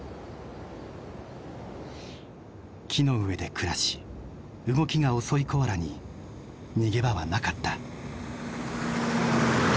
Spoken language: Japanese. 木の上で暮らし動きが遅いコアラに逃げ場はなかった。